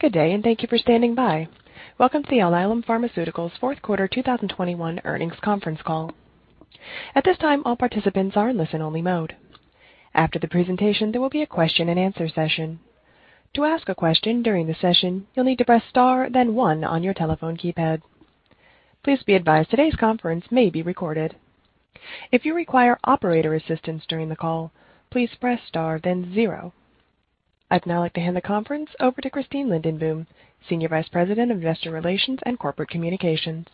Good day, and thank you for standing by. Welcome to Alnylam Pharmaceuticals fourth quarter 2021 earnings conference call. At this time, all participants are in listen-only mode. After the presentation, there will be a question-and-answer session. To ask a question during the session, you'll need to press star, then one on your telephone keypad. Please be advised today's conference may be recorded. If you require operator assistance during the call, please press star, then zero. I'd now like to hand the conference over to Christine Lindenboom, Senior Vice President of Investor Relations and Corporate Communications.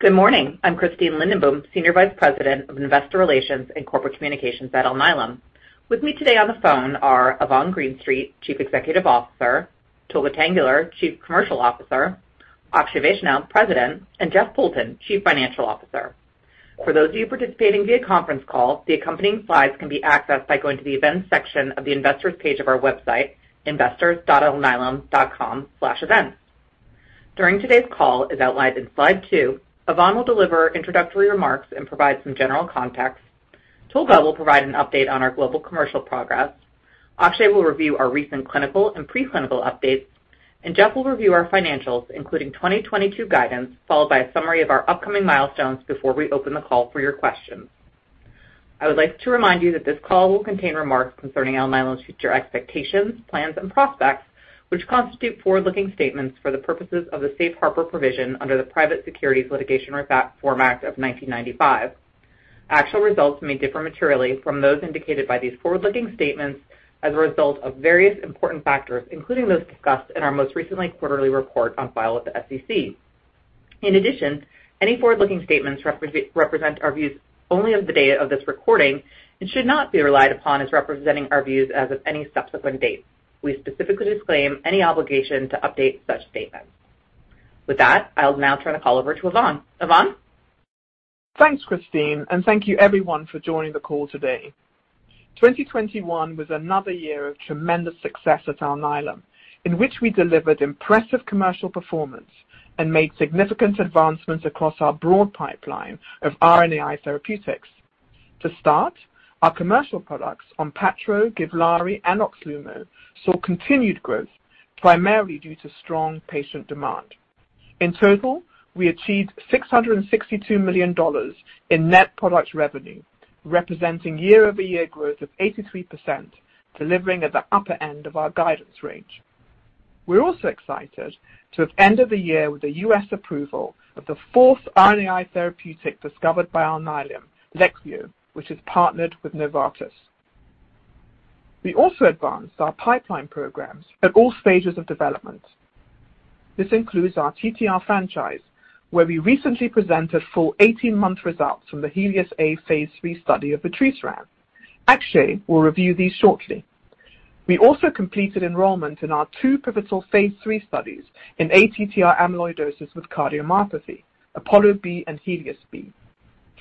Good morning. I'm Christine Lindenboom, Senior Vice President of Investor Relations and Corporate Communications at Alnylam. With me today on the phone are Yvonne Greenstreet, Chief Executive Officer, Tolga Tanguler, Chief Commercial Officer, Akshay Vaishnaw, President, and Jeff Poulton, Chief Financial Officer. For those of you participating via conference call, the accompanying slides can be accessed by going to the Events section of the Investors page of our website, investors.alnylam.com/events. During today's call, as outlined in slide two, Yvonne will deliver introductory remarks and provide some general context. Tolga will provide an update on our global commercial progress. Akshay will review our recent clinical and pre-clinical updates, and Jeff will review our financials, including 2022 guidance, followed by a summary of our upcoming milestones before we open the call for your questions. I would like to remind you that this call will contain remarks concerning Alnylam's future expectations, plans, and prospects, which constitute forward-looking statements for the purposes of the safe harbor provision under the Private Securities Litigation Reform Act of 1995. Actual results may differ materially from those indicated by these forward-looking statements as a result of various important factors, including those discussed in our most recent quarterly report on file with the SEC. In addition, any forward-looking statements represent our views only of the day of this recording and should not be relied upon as representing our views as of any subsequent date. We specifically disclaim any obligation to update such statements. With that, I'll now turn the call over to Yvonne. Yvonne? Thanks, Christine, and thank you everyone for joining the call today. 2021 was another year of tremendous success at Alnylam, in which we delivered impressive commercial performance and made significant advancements across our broad pipeline of RNAi therapeutics. To start, our commercial products, ONPATTRO, GIVLAARI, and OXLUMO, saw continued growth primarily due to strong patient demand. In total, we achieved $662 million in net product revenue, representing year-over-year growth of 83%, delivering at the upper end of our guidance range. We're also excited to have ended the year with the U.S. approval of the fourth RNAi therapeutic discovered by Alnylam, Leqvio, which is partnered with Novartis. We also advanced our pipeline programs at all stages of development. This includes our TTR franchise, where we recently presented full 18-month results from the HELIOS-A phase III study of vutrisiran. Akshay will review these shortly. We also completed enrollment in our two pivotal phase III studies in ATTR amyloidosis with cardiomyopathy, APOLLO-B and HELIOS-B.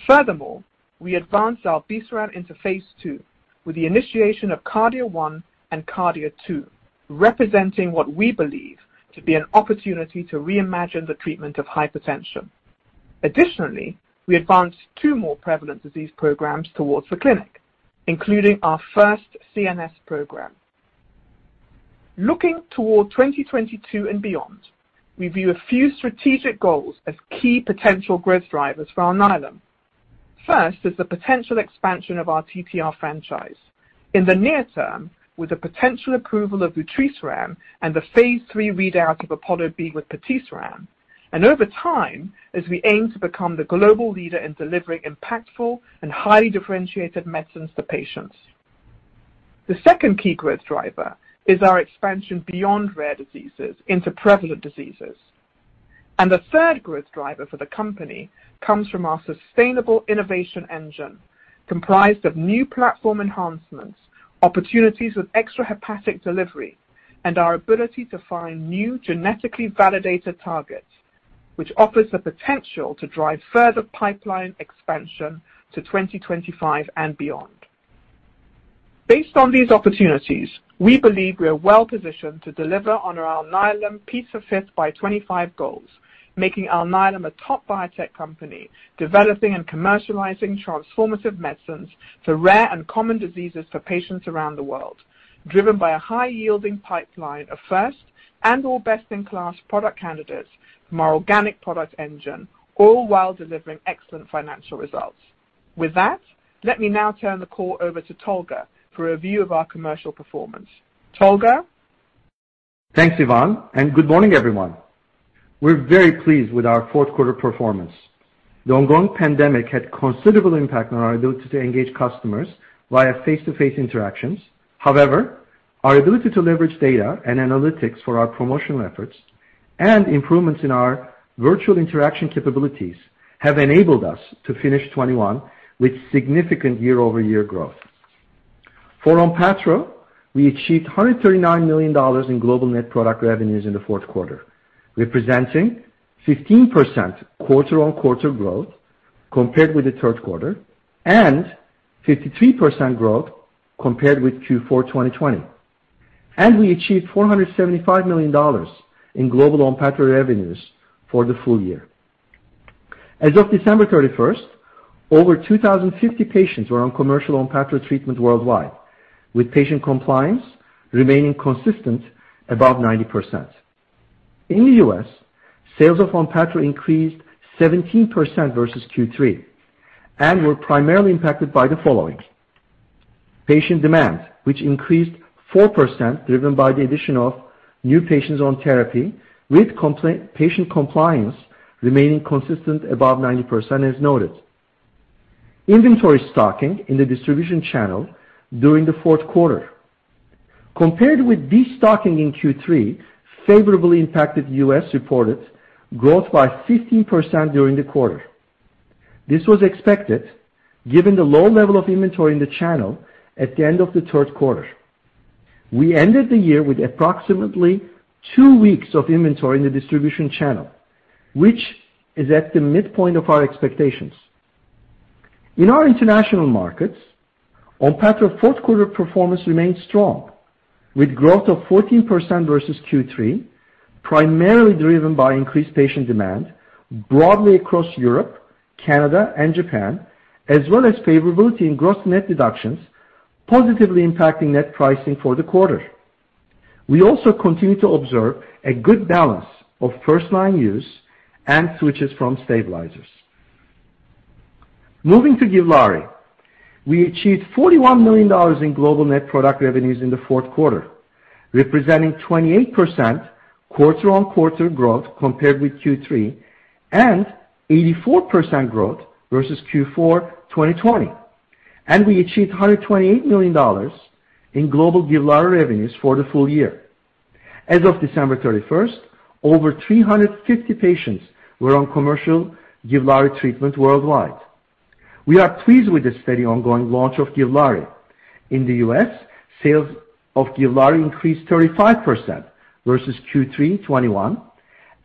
Furthermore, we advanced zilebesiran into phase II with the initiation of KARDIA-1 and KARDIA-2, representing what we believe to be an opportunity to reimagine the treatment of hypertension. Additionally, we advanced two more prevalent disease programs towards the clinic, including our first CNS program. Looking toward 2022 and beyond, we view a few strategic goals as key potential growth drivers for Alnylam. First is the potential expansion of our TTR franchise. In the near term, with the potential approval of vutrisiran and the phase III readout of APOLLO-B with patisiran, and over time, as we aim to become the global leader in delivering impactful and highly differentiated medicines to patients. The second key growth driver is our expansion beyond rare diseases into prevalent diseases. The third growth driver for the company comes from our sustainable innovation engine, comprised of new platform enhancements, opportunities with extrahepatic delivery, and our ability to find new genetically validated targets, which offers the potential to drive further pipeline expansion to 2025 and beyond. Based on these opportunities, we believe we are well-positioned to deliver on our Alnylam P5x25 goals, making Alnylam a top biotech company, developing and commercializing transformative medicines for rare and common diseases for patients around the world, driven by a high-yielding pipeline of first and or best-in-class product candidates from our organic product engine, all while delivering excellent financial results. With that, let me now turn the call over to Tolga for a view of our commercial performance. Tolga? Thanks, Yvonne, and good morning, everyone. We're very pleased with our fourth quarter performance. The ongoing pandemic had considerable impact on our ability to engage customers via face-to-face interactions. However, our ability to leverage data and analytics for our promotional efforts and improvements in our virtual interaction capabilities have enabled us to finish 2021 with significant year-over-year growth. For ONPATTRO, we achieved $139 million in global net product revenues in the fourth quarter, representing 15% quarter-on-quarter growth compared with the third quarter and 53% growth compared with Q4 2020. We achieved $475 million in global ONPATTRO revenues for the full year. As of December 31, over 2,050 patients were on commercial ONPATTRO treatment worldwide, with patient compliance remaining consistent above 90%. In the U.S., sales of ONPATTRO increased 17% versus Q3 and were primarily impacted by the following. Patient demand, which increased 4% driven by the addition of new patients on therapy, with patient compliance remaining consistent above 90% as noted. Inventory stocking in the distribution channel during the fourth quarter. Compared with destocking in Q3 favorably impacted the U.S.-reported growth by 15% during the quarter. This was expected given the low level of inventory in the channel at the end of the third quarter. We ended the year with approximately two weeks of inventory in the distribution channel, which is at the midpoint of our expectations. In our international markets, ONPATTRO fourth quarter performance remained strong, with growth of 14% versus Q3, primarily driven by increased patient demand broadly across Europe, Canada, and Japan, as well as favorability in gross net deductions positively impacting net pricing for the quarter. We also continue to observe a good balance of first-line use and switches from stabilizers. Moving to GIVLAARI. We achieved $41 million in global net product revenues in the fourth quarter, representing 28% quarter-on-quarter growth compared with Q3 and 84% growth versus Q4 2020. We achieved $128 million in global GIVLAARI revenues for the full year. As of December 31, over 350 patients were on commercial GIVLAARI treatment worldwide. We are pleased with the steady ongoing launch of GIVLAARI. In the U.S., sales of GIVLAARI increased 35% versus Q3 2021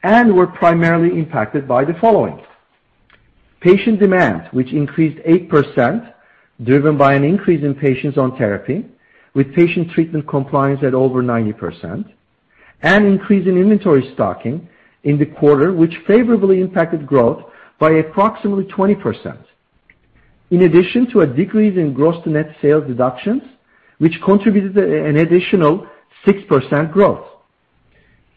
and were primarily impacted by the following. Patient demand, which increased 8%, driven by an increase in patients on therapy, with patient treatment compliance at over 90%, and an increase in inventory stocking in the quarter, which favorably impacted growth by approximately 20%. In addition to a decrease in gross-to-net sales deductions, which contributed an additional 6% growth.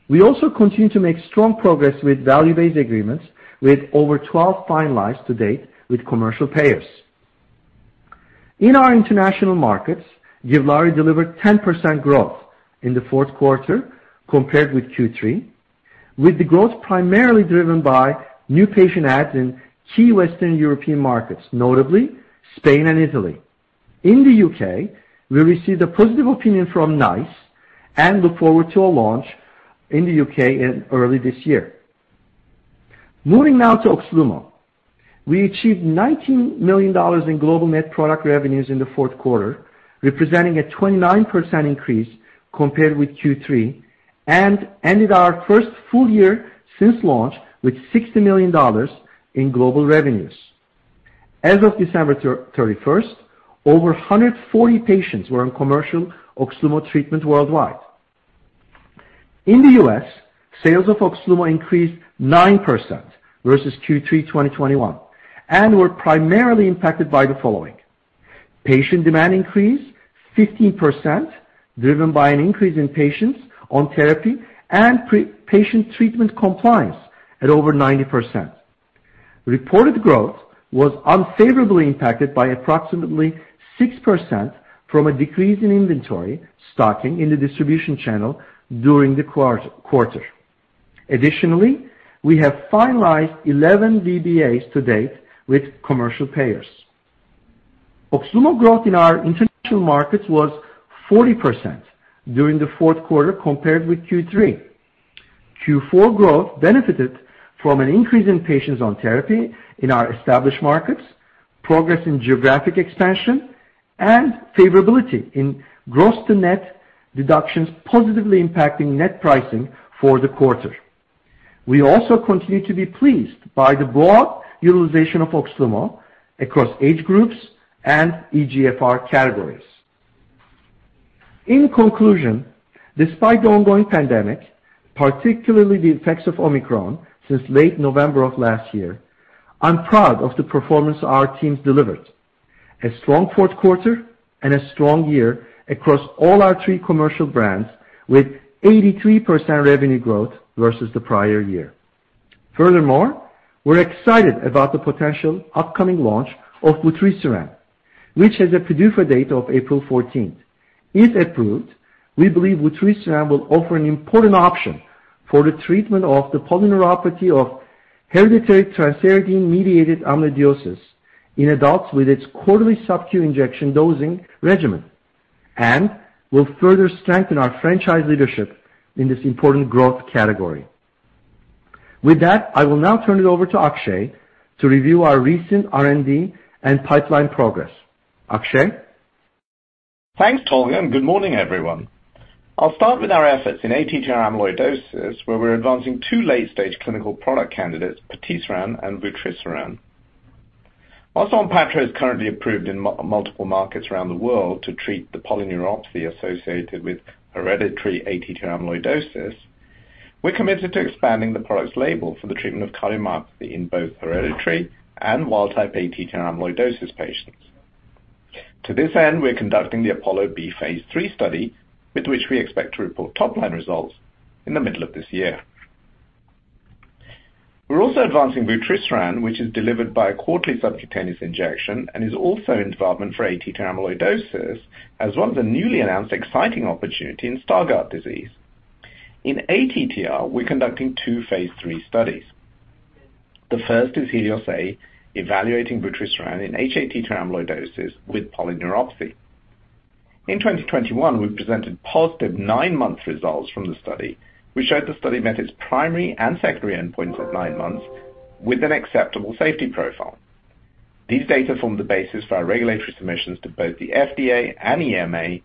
We also continue to make strong progress with value-based agreements with over 12 finalized to date with commercial payers. In our international markets, GIVLAARI delivered 10% growth in the fourth quarter compared with Q3, with the growth primarily driven by new patient adds in key Western European markets, notably Spain and Italy. In the U.K., we received a positive opinion from NICE and look forward to a launch in the U.K. in early this year. Moving now to OXLUMO. We achieved $19 million in global net product revenues in the fourth quarter, representing a 29% increase compared with Q3, and ended our first full year since launch with $60 million in global revenues. As of December 31, over 140 patients were on commercial OXLUMO treatment worldwide. In the U.S., sales of OXLUMO increased 9% versus Q3 2021 and were primarily impacted by the following. Patient demand increased 15%, driven by an increase in patients on therapy and pre-patient treatment compliance at over 90%. Reported growth was unfavorably impacted by approximately 6% from a decrease in inventory stocking in the distribution channel during the quarter. Additionally, we have finalized 11 VBAs to date with commercial payers. OXLUMO growth in our international markets was 40% during the fourth quarter compared with Q3. Q4 growth benefited from an increase in patients on therapy in our established markets, progress in geographic expansion, and favorability in gross to net deductions positively impacting net pricing for the quarter. We also continue to be pleased by the broad utilization of OXLUMO across age groups and eGFR categories. In conclusion, despite the ongoing pandemic, particularly the effects of Omicron since late November of last year, I'm proud of the performance our teams delivered. A strong fourth quarter and a strong year across all our three commercial brands with 83% revenue growth versus the prior year. Furthermore, we're excited about the potential upcoming launch of vutrisiran, which has a PDUFA date of April 14. If approved, we believe vutrisiran will offer an important option for the treatment of the polyneuropathy of hereditary transthyretin-mediated amyloidosis in adults with its quarterly subQ injection dosing regimen and will further strengthen our franchise leadership in this important growth category. With that, I will now turn it over to Akshay to review our recent R&D and pipeline progress. Akshay? Thanks, Tolga, and good morning, everyone. I'll start with our efforts in ATTR amyloidosis, where we're advancing two late-stage clinical product candidates, patisiran and vutrisiran. Also, ONPATTRO is currently approved in multiple markets around the world to treat the polyneuropathy associated with hereditary ATTR amyloidosis. We're committed to expanding the product's label for the treatment of cardiomyopathy in both hereditary and wild type ATTR amyloidosis patients. To this end, we're conducting the APOLLO-B phase III study, with which we expect to report top-line results in the middle of this year. We're also advancing vutrisiran, which is delivered by a quarterly subcutaneous injection and is also in development for ATTR amyloidosis, as well as a newly announced exciting opportunity in Stargardt disease. In ATTR, we're conducting two phase III studies. The first is HELIOS-A, evaluating vutrisiran in hATTR amyloidosis with polyneuropathy. In 2021, we presented positive nine-month results from the study, which showed the study met its primary and secondary endpoints at nine months with an acceptable safety profile. These data form the basis for our regulatory submissions to both the FDA and EMA,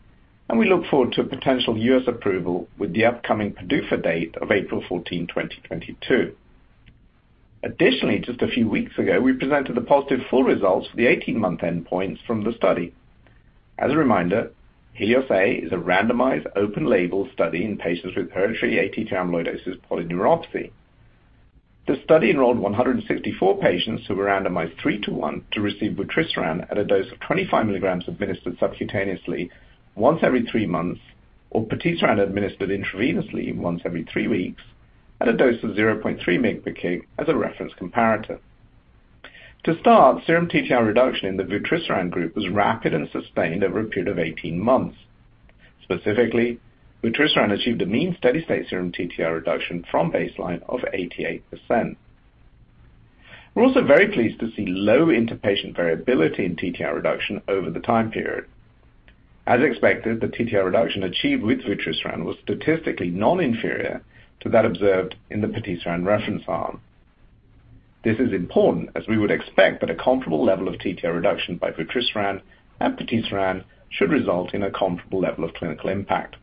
and we look forward to a potential US approval with the upcoming PDUFA date of April 14, 2022. Additionally, just a few weeks ago, we presented the positive full results for the 18-month endpoints from the study. As a reminder, HELIOS-A is a randomized open label study in patients with hereditary ATTR amyloidosis polyneuropathy. The study enrolled 164 patients who were randomized 3 to 1 to receive vutrisiran at a dose of 25 mg administered subcutaneously once every three months, or patisiran administered intravenously once every three weeks at a dose of 0.3 mg/kg as a reference comparator. To start, serum TTR reduction in the vutrisiran group was rapid and sustained over a period of 18 months. Specifically, vutrisiran achieved a mean steady-state serum TTR reduction from baseline of 88%. We're also very pleased to see low interpatient variability in TTR reduction over the time period. As expected, the TTR reduction achieved with vutrisiran was statistically non-inferior to that observed in the patisiran reference arm. This is important as we would expect that a comparable level of TTR reduction by vutrisiran and patisiran should result in a comparable level of clinical impact.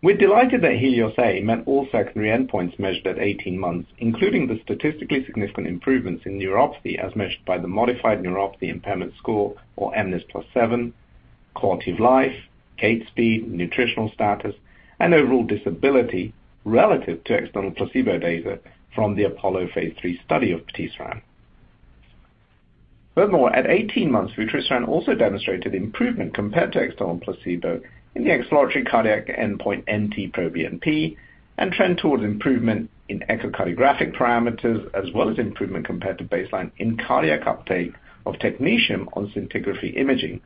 We're delighted that HELIOS-A met all secondary endpoints measured at 18 months, including the statistically significant improvements in neuropathy as measured by the modified Neuropathy Impairment Score or mNIS+7, quality of life, gait speed, nutritional status, and overall disability relative to external placebo data from the APOLLO phase III study of patisiran. Furthermore, at 18 months, vutrisiran also demonstrated improvement compared to external placebo in the exploratory cardiac endpoint NT-proBNP and trend towards improvement in echocardiographic parameters as well as improvement compared to baseline in cardiac uptake of technetium on scintigraphy imaging,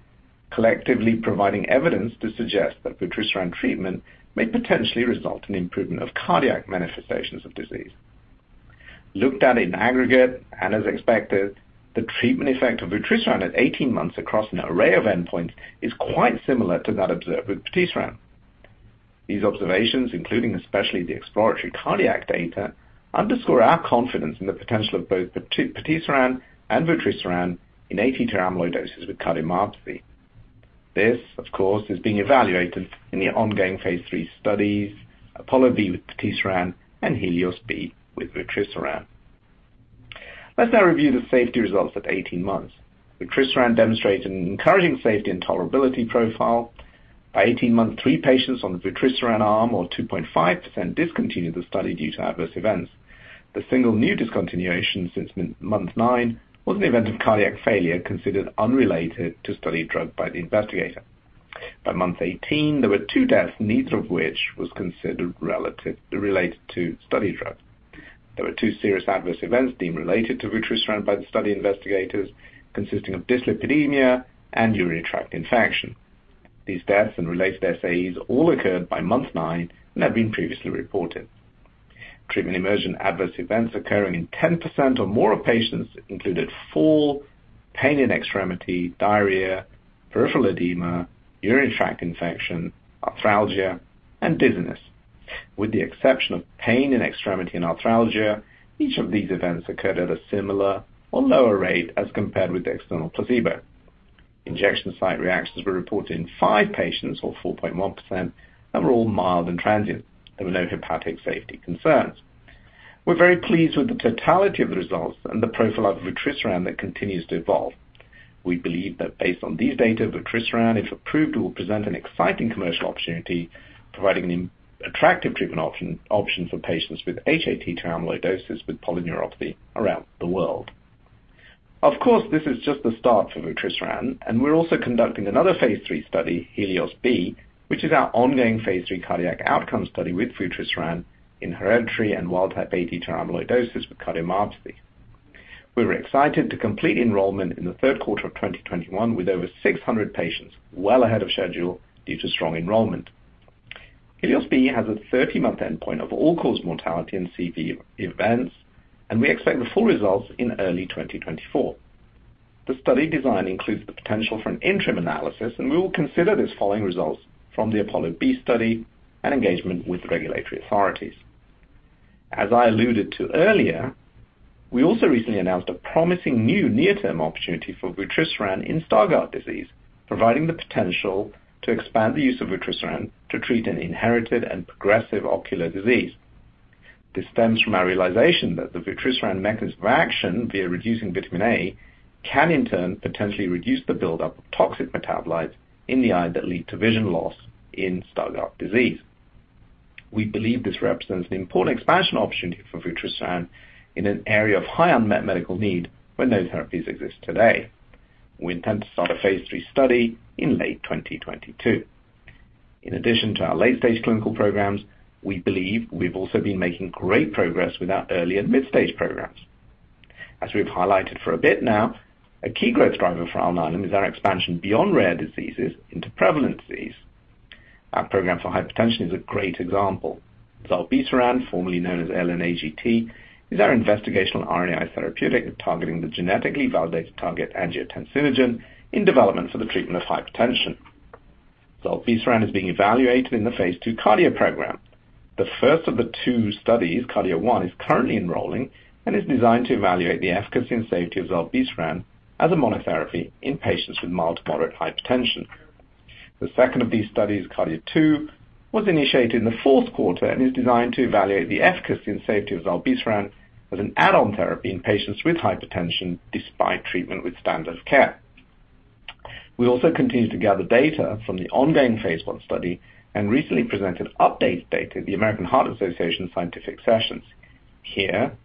collectively providing evidence to suggest that vutrisiran treatment may potentially result in improvement of cardiac manifestations of disease. Looked at in aggregate and as expected, the treatment effect of vutrisiran at 18 months across an array of endpoints is quite similar to that observed with patisiran. These observations, including especially the exploratory cardiac data, underscore our confidence in the potential of both patisiran and vutrisiran in ATTR amyloidosis with cardiomyopathy. This, of course, is being evaluated in the ongoing phase III studies, APOLLO-B with patisiran and HELIOS-B with vutrisiran. Let's now review the safety results at 18 months. Vutrisiran demonstrated an encouraging safety and tolerability profile. By 18 months, three patients on the vutrisiran arm or 2.5% discontinued the study due to adverse events. The single new discontinuation since month nine was an event of cardiac failure considered unrelated to study drug by the investigator. By month 18, there were two deaths, neither of which was considered related to study drug. There were two serious adverse events deemed related to vutrisiran by the study investigators, consisting of dyslipidemia and urinary tract infection. These deaths and related SAEs all occurred by month nine and have been previously reported. Treatment-emergent adverse events occurring in 10% or more of patients included fall, pain in extremity, diarrhea, peripheral edema, urinary tract infection, arthralgia, and dizziness. With the exception of pain in extremity and arthralgia, each of these events occurred at a similar or lower rate as compared with the external placebo. Injection site reactions were reported in five patients or 4.1% and were all mild and transient. There were no hepatic safety concerns. We're very pleased with the totality of the results and the profile of vutrisiran that continues to evolve. We believe that based on these data, vutrisiran, if approved, will present an exciting commercial opportunity, providing an attractive treatment option for patients with hATTR amyloidosis with polyneuropathy around the world. This is just the start for vutrisiran, and we're also conducting another phase III study, HELIOS-B, which is our ongoing phase III cardiac outcome study with vutrisiran in hereditary and wild-type ATTR amyloidosis with cardiomyopathy. We were excited to complete enrollment in the third quarter of 2021 with over 600 patients well ahead of schedule due to strong enrollment. HELIOS-B has a 30-month endpoint of all-cause mortality and CV events, and we expect the full results in early 2024. The study design includes the potential for an interim analysis, and we will consider these following results from the APOLLO-B study and engagement with regulatory authorities. As I alluded to earlier, we also recently announced a promising new near-term opportunity for vutrisiran in Stargardt disease, providing the potential to expand the use of vutrisiran to treat an inherited and progressive ocular disease. This stems from our realization that the vutrisiran mechanism of action via reducing vitamin A can in turn potentially reduce the buildup of toxic metabolites in the eye that lead to vision loss in Stargardt disease. We believe this represents an important expansion opportunity for vutrisiran in an area of high unmet medical need where no therapies exist today. We intend to start a phase III study in late 2022. In addition to our late stage clinical programs, we believe we've also been making great progress with our early and mid-stage programs. As we've highlighted for a bit now, a key growth driver for Alnylam is our expansion beyond rare diseases into prevalent disease. Our program for hypertension is a great example. Zilebesiran, formerly known as ALN-AGT, is our investigational RNAi therapeutic targeting the genetically validated target angiotensinogen in development for the treatment of hypertension. Zilebesiran is being evaluated in the phase II KARDIA program. The first of the two studies, KARDIA-1, is currently enrolling and is designed to evaluate the efficacy and safety of zilebesiran as a monotherapy in patients with mild to moderate hypertension. The second of these studies, KARDIA-2, was initiated in the fourth quarter and is designed to evaluate the efficacy and safety of zilebesiran as an add-on therapy in patients with hypertension despite treatment with standard care. We also continue to gather data from the ongoing phase I study and recently presented updated data at the American Heart Association Scientific Sessions. Here,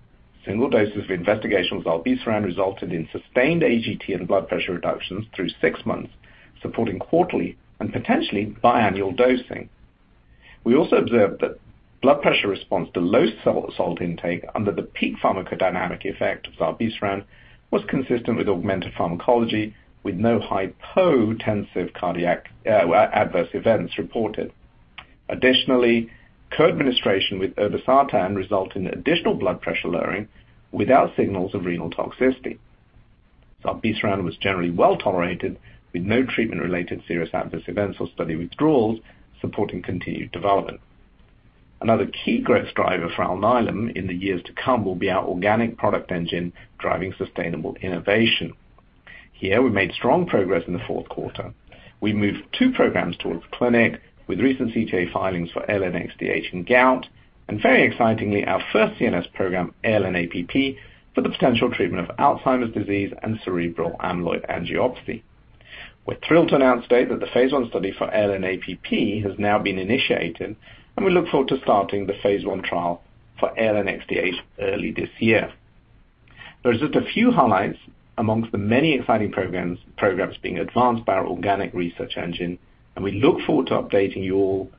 single doses of investigational zilebesiran resulted in sustained AGT and blood pressure reductions through six months, supporting quarterly and potentially biannual dosing. We also observed that blood pressure response to low salt intake under the peak pharmacodynamic effect of zilebesiran was consistent with augmented pharmacology with no hypotensive cardiac adverse events reported. Additionally, co-administration with irbesartan result in additional blood pressure lowering without signals of renal toxicity. Zilebesiran was generally well tolerated with no treatment related serious adverse events or study withdrawals supporting continued development. Another key growth driver for Alnylam in the years to come will be our organic product engine driving sustainable innovation. Here, we made strong progress in the fourth quarter. We moved two programs towards clinic with recent CTA filings for ALN-XDH in gout, and very excitingly, our first CNS program, ALN-APP, for the potential treatment of Alzheimer's disease and cerebral amyloid angiopathy. We're thrilled to announce today that the phase I study for ALN-APP has now been initiated, and we look forward to starting the phase I trial for ALN-XDH early this year. There's just a few highlights amongst the many exciting programs being advanced by our organic research engine, and we look forward to updating you all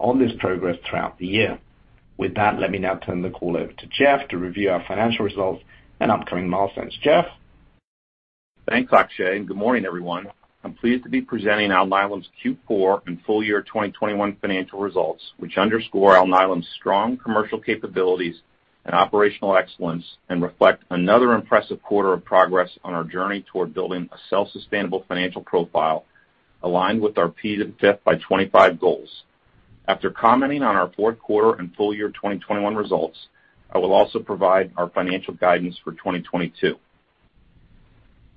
on this progress throughout the year. With that, let me now turn the call over to Jeff to review our financial results and upcoming milestones. Jeff? Thanks, Akshay, and good morning, everyone. I'm pleased to be presenting Alnylam's Q4 and full year 2021 financial results, which underscore Alnylam's strong commercial capabilities and operational excellence and reflect another impressive quarter of progress on our journey toward building a self-sustainable financial profile aligned with our P5x25 goals. After commenting on our fourth quarter and full year 2021 results, I will also provide our financial guidance for 2022.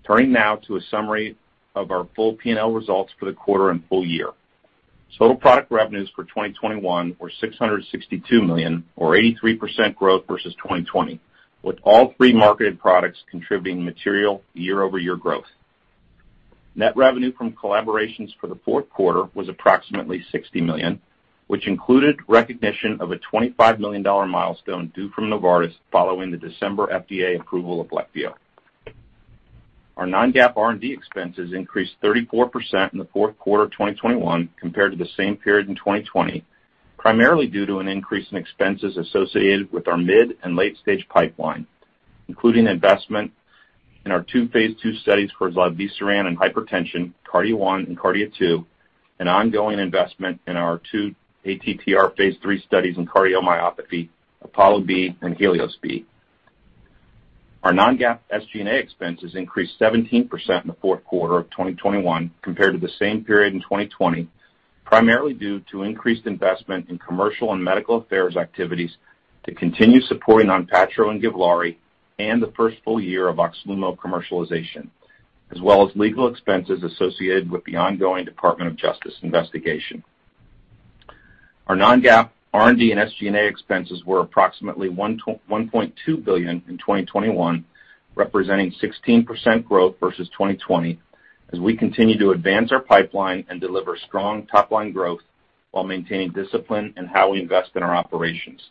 Turning now to a summary of our full P&L results for the quarter and full year. Total product revenues for 2021 were $662 million or 83% growth versus 2020, with all three marketed products contributing material year-over-year growth. Net revenue from collaborations for the fourth quarter was approximately $60 million, which included recognition of a $25 million milestone due from Novartis following the December FDA approval of Leqvio. Our non-GAAP R&D expenses increased 34% in the fourth quarter of 2021 compared to the same period in 2020, primarily due to an increase in expenses associated with our mid- and late-stage pipeline, including investment in our two phase II studies for zilebesiran and hypertension, KARDIA-1 and KARDIA-2, and ongoing investment in our two ATTR phase III studies in cardiomyopathy, APOLLO-B and HELIOS-B. Our non-GAAP SG&A expenses increased 17% in the fourth quarter of 2021 compared to the same period in 2020, primarily due to increased investment in commercial and medical affairs activities to continue supporting ONPATTRO and GIVLAARI and the first full year of OXLUMO commercialization, as well as legal expenses associated with the ongoing Department of Justice investigation. Our non-GAAP R&D and SG&A expenses were approximately $1.2 billion in 2021, representing 16% growth versus 2020, as we continue to advance our pipeline and deliver strong top line growth while maintaining discipline in how we invest in our operations.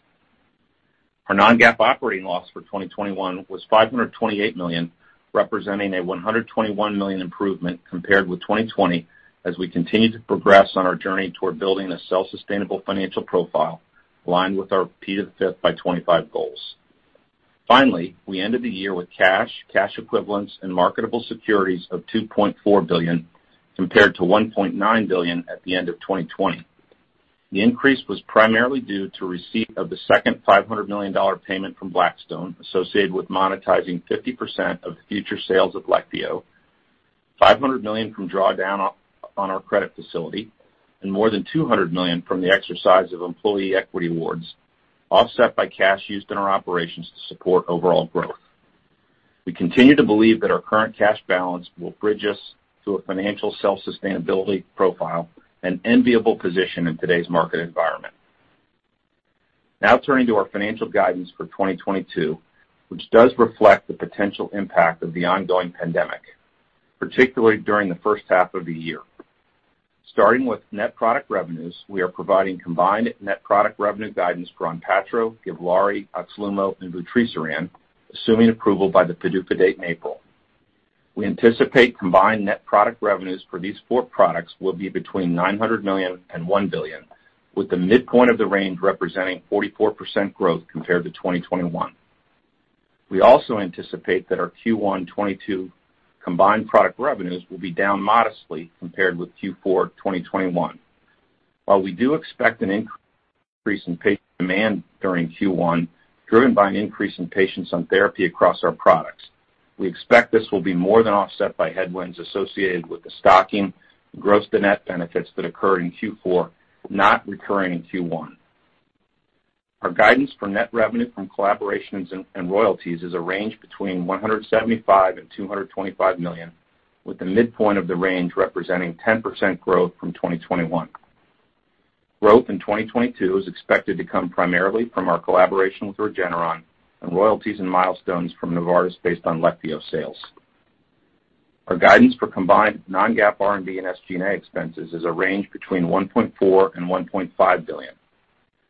Our non-GAAP operating loss for 2021 was $528 million, representing a $121 million improvement compared with 2020 as we continue to progress on our journey toward building a self-sustainable financial profile aligned with our P5x25 goals. Finally, we ended the year with cash equivalents and marketable securities of $2.4 billion compared to $1.9 billion at the end of 2020. The increase was primarily due to receipt of the second $500 million payment from Blackstone associated with monetizing 50% of future sales of Leqvio, $500 million from drawdown on our credit facility, and more than $200 million from the exercise of employee equity awards, offset by cash used in our operations to support overall growth. We continue to believe that our current cash balance will bridge us to a financial self-sustainability profile, an enviable position in today's market environment. Now turning to our financial guidance for 2022, which does reflect the potential impact of the ongoing pandemic, particularly during the first half of the year. Starting with net product revenues, we are providing combined net product revenue guidance for ONPATTRO, GIVLAARI, OXLUMO, and vutrisiran, assuming approval by the PDUFA date in April. We anticipate combined net product revenues for these four products will be between $900 million and $1 billion, with the midpoint of the range representing 44% growth compared to 2021. We also anticipate that our Q1 2022 combined product revenues will be down modestly compared with Q4 2021. While we do expect an increase in patient demand during Q1 driven by an increase in patients on therapy across our products, we expect this will be more than offset by headwinds associated with the stocking gross-to-net benefits that occur in Q4 not recurring in Q1. Our guidance for net revenue from collaborations and royalties is a range between $175 million and $225 million, with the midpoint of the range representing 10% growth from 2021. Growth in 2022 is expected to come primarily from our collaboration with Regeneron and royalties and milestones from Novartis based on Leqvio sales. Our guidance for combined non-GAAP R&D and SG&A expenses is a range between $1.4 billion-$1.5 billion.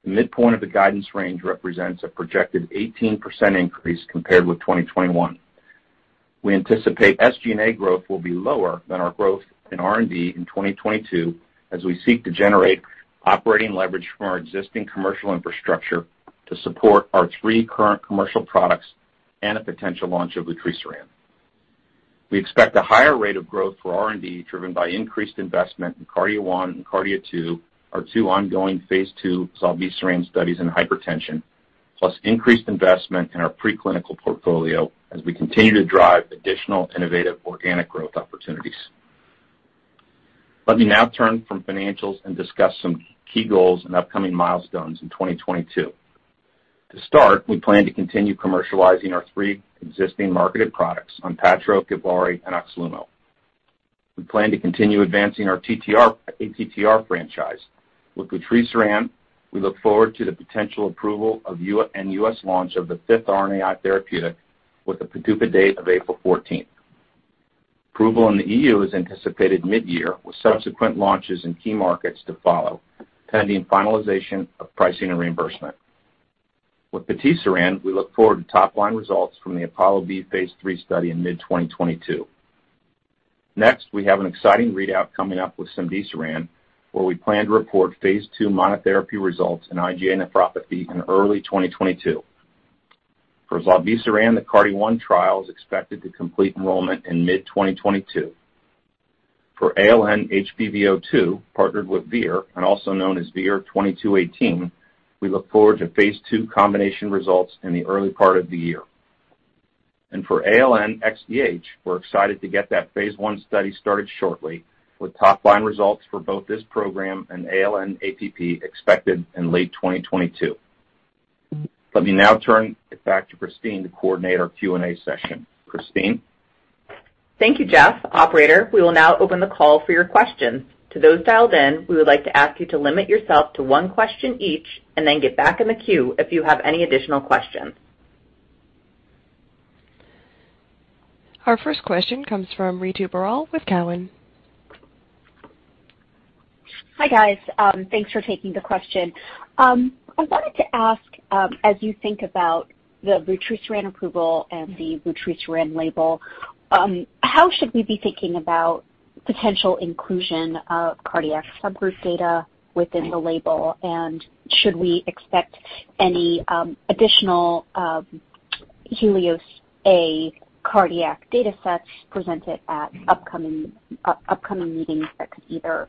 The midpoint of the guidance range represents a projected 18% increase compared with 2021. We anticipate SG&A growth will be lower than our growth in R&D in 2022 as we seek to generate operating leverage from our existing commercial infrastructure to support our three current commercial products and a potential launch of vutrisiran. We expect a higher rate of growth for R&D driven by increased investment in KARDIA-1 and KARDIA-2, our two ongoing phase II zilebesiran studies in hypertension, plus increased investment in our preclinical portfolio as we continue to drive additional innovative organic growth opportunities. Let me now turn from financials and discuss some key goals and upcoming milestones in 2022. To start, we plan to continue commercializing our three existing marketed products, ONPATTRO, GIVLAARI, and OXLUMO. We plan to continue advancing our TTR ATTR franchise. With vutrisiran, we look forward to the potential approval of EU and U.S. launch of the fifth RNAi therapeutic with the PDUFA date of April 14. Approval in the EU is anticipated mid-year, with subsequent launches in key markets to follow, pending finalization of pricing and reimbursement. With patisiran, we look forward to top-line results from the APOLLO-B phase III study in mid-2022. Next, we have an exciting readout coming up with cemdisiran, where we plan to report phase II monotherapy results in IgA nephropathy in early 2022. For zilebesiran, the KARDIA-1 trial is expected to complete enrollment in mid-2022. For ALN-HBV02, partnered with Vir and also known as VIR-2218, we look forward to phase II combination results in the early part of the year. For ALN-XDH, we're excited to get that phase I study started shortly, with top-line results for both this program and ALN-APP expected in late 2022. Let me now turn it back to Christine to coordinate our Q&A session. Christine? Thank you, Jeff. Operator, we will now open the call for your questions. To those dialed in, we would like to ask you to limit yourself to one question each and then get back in the queue if you have any additional questions. Our first question comes from Ritu Baral with Cowen. Hi, guys. Thanks for taking the question. I wanted to ask, as you think about the vutrisiran approval and the vutrisiran label, how should we be thinking about potential inclusion of cardiac subgroup data within the label? Should we expect any additional HELIOS-A cardiac datasets presented at upcoming meetings that could either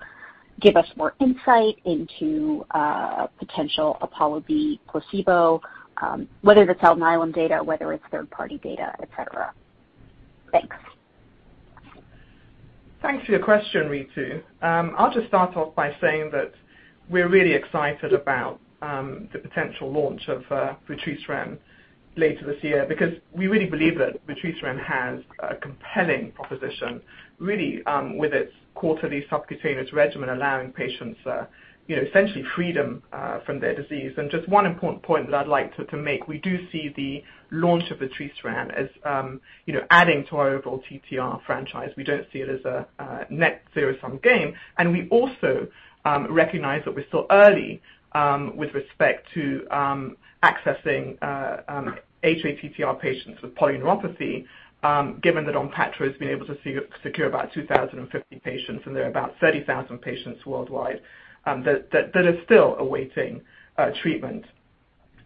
give us more insight into potential APOLLO-B placebo, whether it's Alnylam data, whether it's third-party data, et cetera? Thanks. Thanks for your question, Ritu. I'll just start off by saying that we're really excited about the potential launch of vutrisiran later this year because we really believe that vutrisiran has a compelling proposition really with its quarterly subcutaneous regimen allowing patients you know essentially freedom from their disease. Just one important point that I'd like to make, we do see the launch of vutrisiran as you know adding to our overall TTR franchise. We don't see it as a net zero-sum game. We also recognize that we're still early with respect to accessing hATTR patients with polyneuropathy given that ONPATTRO has been able to secure about 2,050 patients, and there are about 30,000 patients worldwide that are still awaiting treatment.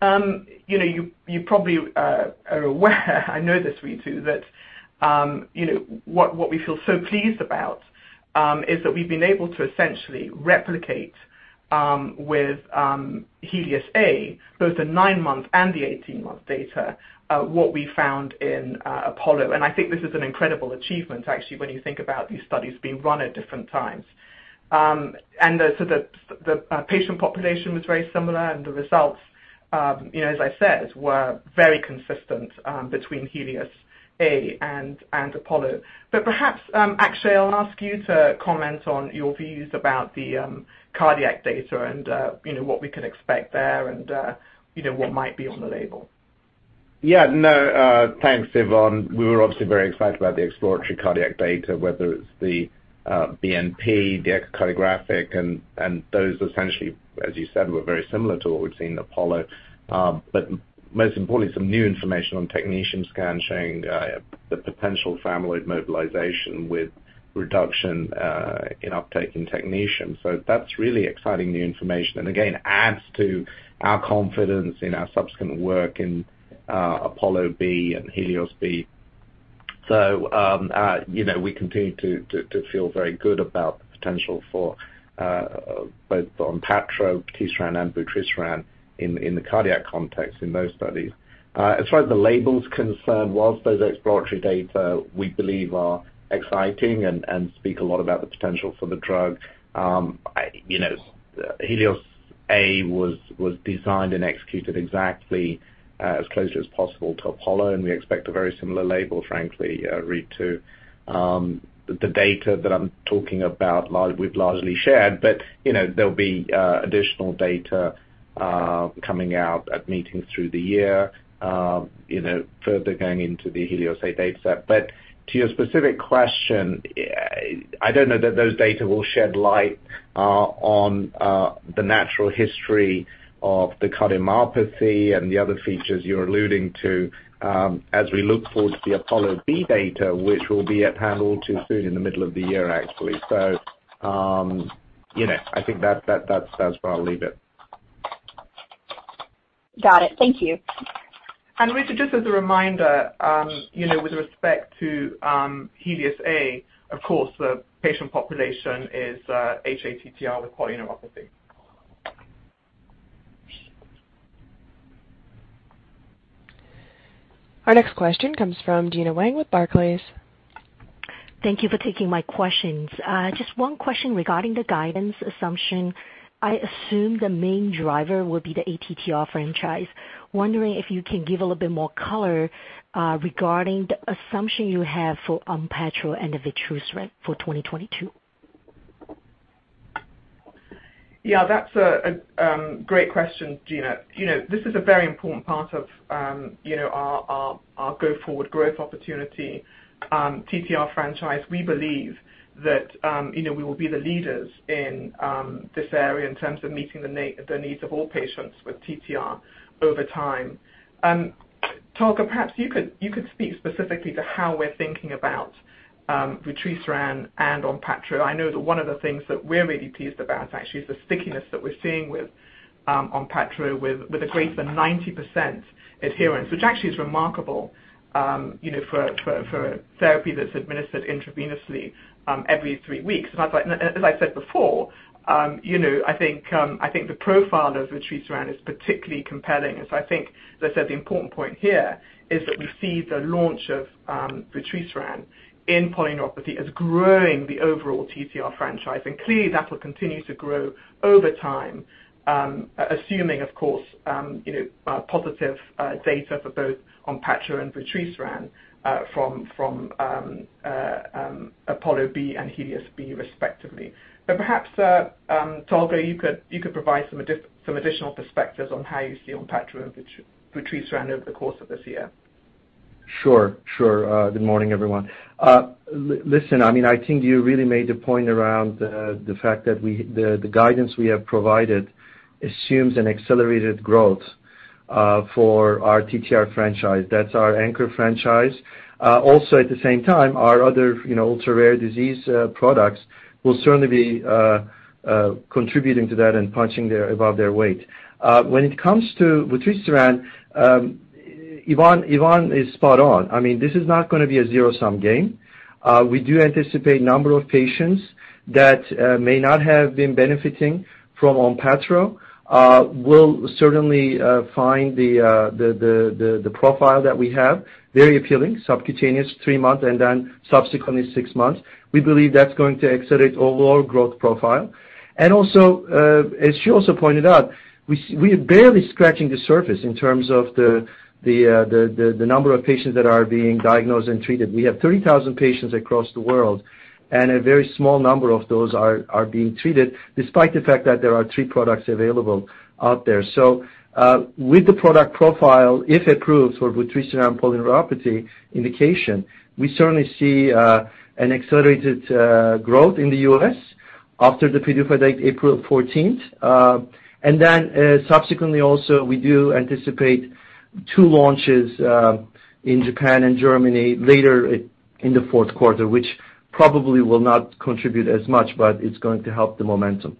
You know, you probably are aware I know this, Ritu, that you know, what we feel so pleased about is that we've been able to essentially replicate with HELIOS-A both the nine-month and the 18-month data what we found in APOLLO. I think this is an incredible achievement actually when you think about these studies being run at different times. The patient population was very similar, and the results You know, as I said, we're very consistent between HELIOS-A and APOLLO. Perhaps, Akshay, I'll ask you to comment on your views about the cardiac data and, you know, what we can expect there and, you know, what might be on the label. Yeah, no, thanks, Yvonne. We were obviously very excited about the exploratory cardiac data, whether it's the BNP, the echocardiographic, and those essentially, as you said, were very similar to what we've seen in APOLLO. Most importantly, some new information on technetium scan showing the potential for amyloid mobilization with reduction in technetium uptake. That's really exciting new information. Again, adds to our confidence in our subsequent work in APOLLO-B and HELIOS-B. You know, we continue to feel very good about the potential for both patisiran and vutrisiran in the cardiac context in those studies. As far as the label is concerned, while those exploratory data we believe are exciting and speak a lot about the potential for the drug, you know, HELIOS-A was designed and executed exactly as closely as possible to APOLLO, and we expect a very similar label, frankly, readout. The data that I'm talking about we've largely shared, but you know, there'll be additional data coming out at meetings through the year, you know, further going into the HELIOS-A dataset. To your specific question, I don't know that those data will shed light on the natural history of the cardiomyopathy and the other features you're alluding to, as we look forward to the APOLLO-B data, which will be at Panel 2 soon in the middle of the year, actually. You know, I think that that's where I'll leave it. Got it. Thank you. Ritu, just as a reminder, you know, with respect to HELIOS-A, of course, the patient population is hATTR with polyneuropathy. Our next question comes from Gena Wang with Barclays. Thank you for taking my questions. Just one question regarding the guidance assumption. I assume the main driver would be the ATTR franchise. Wondering if you can give a little bit more color, regarding the assumption you have for ONPATTRO and the vutrisiran for 2022. Yeah, that's a great question, Gena. You know, this is a very important part of, you know, our go-forward growth opportunity, TTR franchise. We believe that, you know, we will be the leaders in, this area in terms of meeting the needs of all patients with TTR over time. Tolga, perhaps you could speak specifically to how we're thinking about, vutrisiran and ONPATTRO. I know that one of the things that we're really pleased about actually is the stickiness that we're seeing with, ONPATTRO with a greater than 90% adherence, which actually is remarkable, you know, for therapy that's administered intravenously every three weeks. As I said before, you know, I think the profile of vutrisiran is particularly compelling. I think, as I said, the important point here is that we see the launch of vutrisiran in polyneuropathy as growing the overall TTR franchise, and clearly that will continue to grow over time, assuming, of course, you know, positive data for both patisiran and vutrisiran from APOLLO-B and HELIOS-B respectively. Perhaps Tolga, you could provide some additional perspectives on how you see patisiran and vutrisiran over the course of this year. Sure. Good morning, everyone. Listen, I mean, I think you really made the point around the fact that the guidance we have provided assumes an accelerated growth for our TTR franchise. That's our anchor franchise. Also at the same time, our other, you know, ultra-rare disease products will certainly be contributing to that and punching above their weight. When it comes to vutrisiran, Yvonne is spot on. I mean, this is not gonna be a zero-sum game. We do anticipate number of patients that may not have been benefiting from ONPATTRO will certainly find the profile that we have very appealing, subcutaneous three months and then subsequently six months. We believe that's going to accelerate overall growth profile. As she also pointed out, we are barely scratching the surface in terms of the number of patients that are being diagnosed and treated. We have 30,000 patients across the world, and a very small number of those are being treated despite the fact that there are three products available out there. With the product profile, if approved for vutrisiran polyneuropathy indication, we certainly see an accelerated growth in the U.S. after the PDUFA date, April 14th. Subsequently also, we do anticipate two launches in Japan and Germany later in the fourth quarter, which probably will not contribute as much, but it's going to help the momentum.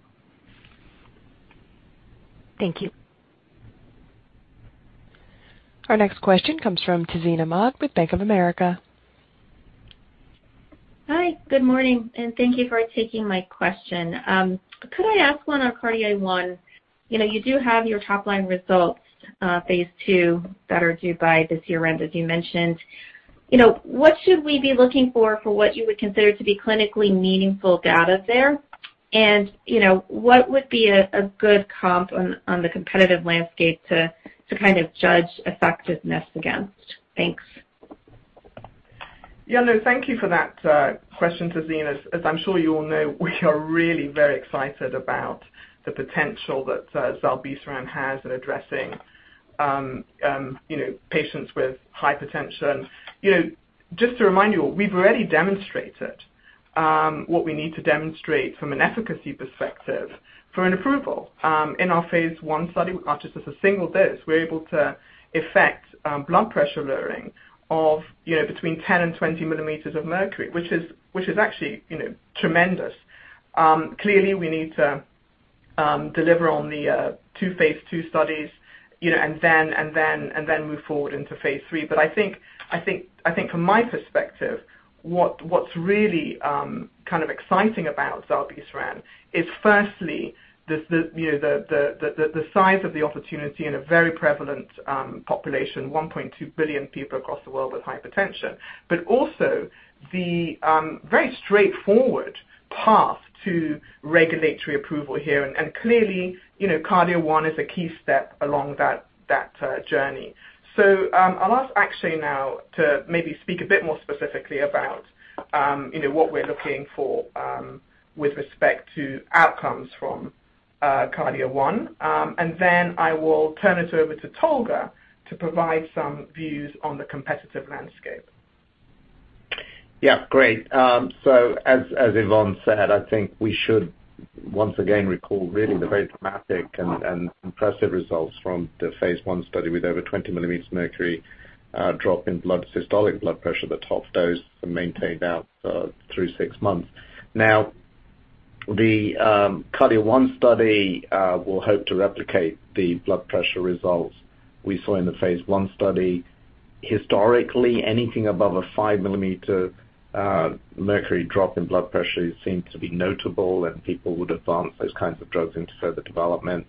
Thank you. Our next question comes from Tazeen Ahmad with Bank of America. Hi. Good morning, and thank you for taking my question. Could I ask one on KARDIA-1? You know, you do have your top line results, phase II that are due by this year-end, as you mentioned. You know, what should we be looking for what you would consider to be clinically meaningful data there? You know, what would be a good comp on the competitive landscape to kind of judge effectiveness against? Thanks. Yeah, no, thank you for that question, Tazeen. As I'm sure you all know, we are really very excited about the potential that zilebesiran has in addressing, you know, patients with hypertension. You know, just to remind you all, we've already demonstrated what we need to demonstrate from an efficacy perspective for an approval. In our phase I study, just as a single dose, we're able to affect blood pressure lowering of, you know, between 10 and 20 millimeters of mercury, which is actually, you know, tremendous. Clearly we need to deliver on the two phase II studies, you know, and then move forward into phase III. I think from my perspective, what's really kind of exciting about zilebesiran is firstly you know, the size of the opportunity in a very prevalent population, 1.2 billion people across the world with hypertension. Also the very straightforward path to regulatory approval here. Clearly, you know, KARDIA-1 is a key step along that journey. I'll ask Akshay now to maybe speak a bit more specifically about you know, what we're looking for with respect to outcomes from KARDIA-1. Then I will turn it over to Tolga to provide some views on the competitive landscape. Yeah, great. So as Yvonne said, I think we should once again recall really the very dramatic and impressive results from the phase I study with over 20 mm of mercury drop in systolic blood pressure at the top dose and maintained throughout six months. Now, the KARDIA-1 study will hope to replicate the blood pressure results we saw in the phase I study. Historically, anything above a 5 mm of mercury drop in blood pressure seems to be notable, and people would advance those kinds of drugs into further development.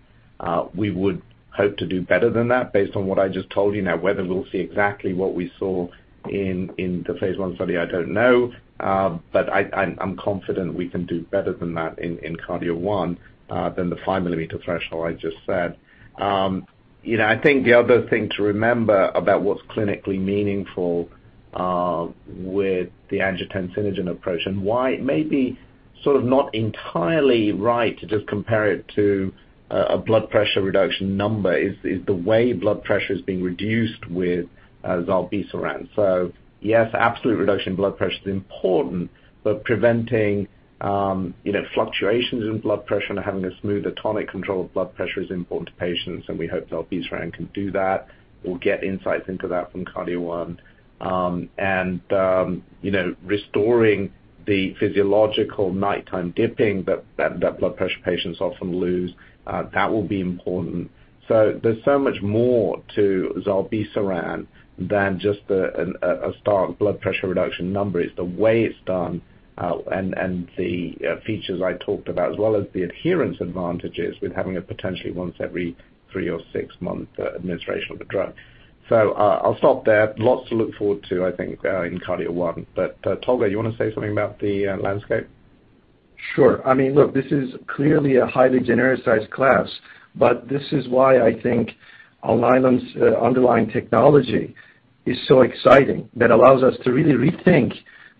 We would hope to do better than that based on what I just told you. Now, whether we'll see exactly what we saw in the phase I study, I don't know. I'm confident we can do better than that in KARDIA-1 than the 5 mm threshold I just said. You know, I think the other thing to remember about what's clinically meaningful with the angiotensinogen approach and why it may be sort of not entirely right to just compare it to a blood pressure reduction number is the way blood pressure is being reduced with zilebesiran. Yes, absolute reduction in blood pressure is important, but preventing fluctuations in blood pressure and having a smooth autonomic control of blood pressure is important to patients, and we hope zilebesiran can do that. We'll get insights into that from KARDIA-1. You know, restoring the physiological nighttime dipping that blood pressure patients often lose, that will be important. There's so much more to zilebesiran than just a stark blood pressure reduction number. It's the way it's done, and the features I talked about, as well as the adherence advantages with having a potentially once every three or six-month administration of the drug. I'll stop there. Lots to look forward to, I think, in KARDIA-1. Tolga, you wanna say something about the landscape? Sure. I mean, look, this is clearly a highly genericized class, but this is why I think Alnylam's underlying technology is so exciting that allows us to really rethink